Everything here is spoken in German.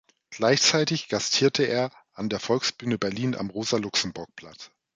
Gleichzeitig gastierte er an der Volksbühne Berlin am Rosa-Luxemburg-Platz.